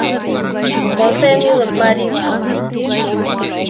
Волтен ӱлык, Марилан